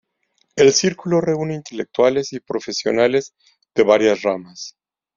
El Círculo reúne intelectuales y profesionales de varias ramas.